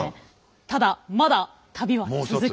ただまだ旅は続きます。